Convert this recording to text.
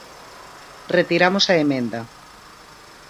Retiramos a emenda.